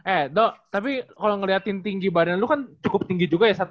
eh dok tapi kalau ngeliatin tinggi badan lu kan cukup tinggi juga ya